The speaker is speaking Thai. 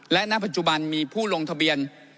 และณปัจจุบันมีผู้ลงทะเบียน